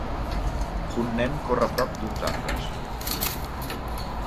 Un nen corre prop d'uns arbres.